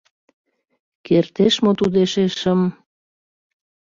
Кертеш мо тудо эше шым...